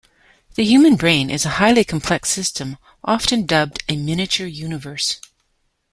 The human brain is a highly complex system often dubbed a miniature universe.